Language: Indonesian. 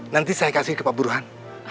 nanti saya kasih ke pak burhan